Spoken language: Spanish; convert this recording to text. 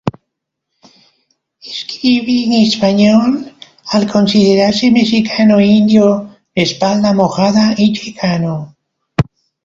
Escribe en español, al considerarse "mexicano indio, espalda mojada y chicano".